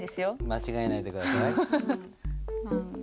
間違えないで下さい。